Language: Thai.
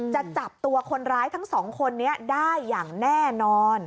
จะจับตัวคนร้ายทั้งสองคนนี้ได้อย่างแน่นอน